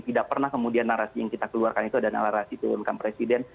tidak pernah kemudian narasi yang kita keluarkan itu adalah narasi turunkan presiden